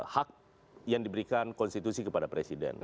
hak yang diberikan konstitusi kepada presiden